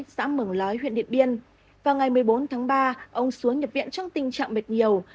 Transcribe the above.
xã mường lói huyện điện biên vào ngày một mươi bốn tháng ba ông xuống nhập viện trong tình trạng mệt nhiều